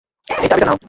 এই চাবিটা নাও।